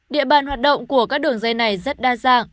địa bàn hoạt động của các đường dây này rất đa dạng